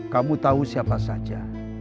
kamu tahu siapa saja